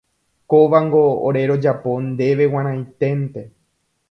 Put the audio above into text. Kóvango ore rojapo ndéve g̃uarãiténte.